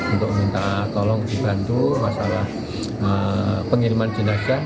untuk minta tolong dibantu masalah pengiriman jenazah